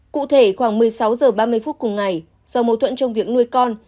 cụ thể khoảng một mươi sáu h ba mươi phút cùng ngày do mâu thuẫn trong việc nuôi con